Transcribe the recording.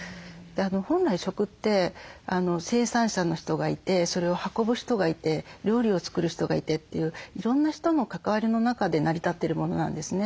本来「食」って生産者の人がいてそれを運ぶ人がいて料理を作る人がいてといういろんな人の関わりの中で成り立ってるものなんですね。